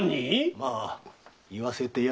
まあ言わせてやれ。